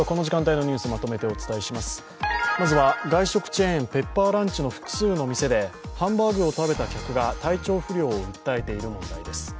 まずは外食チェーン、ペッパーランチの複数の店でハンバーグを食べた客が体調不良を訴えている問題です。